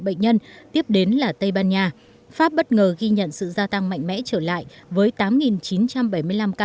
bệnh nhân tiếp đến là tây ban nha pháp bất ngờ ghi nhận sự gia tăng mạnh mẽ trở lại với tám chín trăm bảy mươi năm ca